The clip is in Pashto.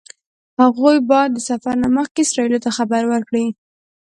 هغوی باید د سفر نه مخکې اسرائیلو ته خبر ورکړي.